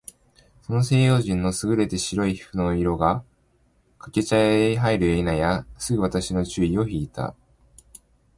その西洋人の優れて白い皮膚の色が、掛茶屋へ入るや否いなや、すぐ私の注意を惹（ひ）いた。